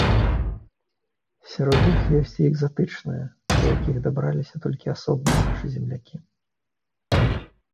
Сярод іх ёсць і экзатычныя, да якіх дабраліся толькі асобныя нашы землякі.